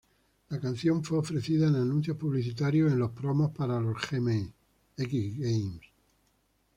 La canción fue ofrecida en anuncios publicitarios y en los promos para los X-Games.